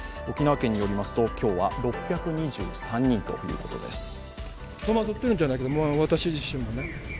沖縄県によりますと今日は６２３人ということです。